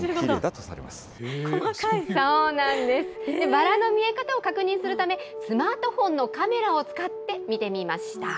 バラの見え方を確認するため、スマートフォンのカメラを使って見てみました。